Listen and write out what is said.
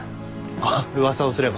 あっ噂をすれば。